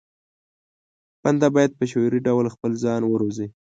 بنده بايد په شعوري ډول خپل ځان وروزي.